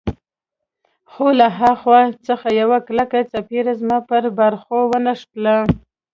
خو له ها خوا څخه یوه کلکه څپېړه زما پر باړخو ونښتله.